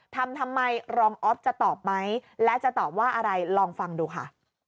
ทำทำไมรองอ๊อฟจะตอบไหมและจะตอบว่าอะไรลองฟังดูค่ะ